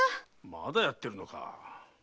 まだやってるのか。